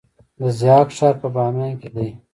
د ضحاک ښار په بامیان کې دی